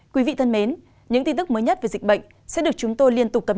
quý vị thân mến những tin tức mới nhất về dịch bệnh sẽ được chúng tôi liên hệ với các bộ y tế